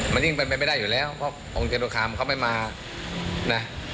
มันยิ่งเป็นไปไม่ได้อยู่แล้วเพราะองค์จตุคามเขาไม่มานะ